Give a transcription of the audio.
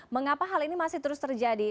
mengapa hal ini masih terus terjadi